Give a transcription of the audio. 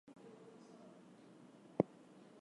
Offiah was born in Camden to Ghanaian parents.